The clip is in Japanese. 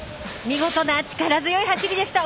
見事な力強い走りでした。